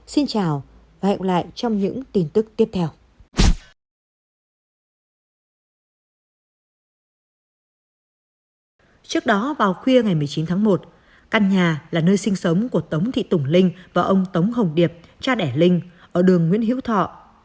xin chào và hẹn lại trong những tin tức tiếp theo